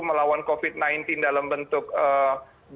melawan covid sembilan belas dalam bentuk